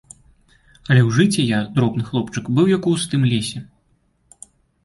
Але ў жыце я, дробны хлопчык, быў як у густым лесе.